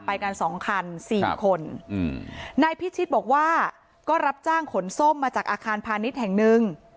ไปกันสองคันสี่คนอืมนายพิชิตบอกว่าก็รับจ้างขนส้มมาจากอาคารพาณิชย์แห่งหนึ่ง